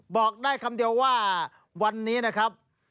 บอกได้คำเดียวว่าวันนี้นะครับ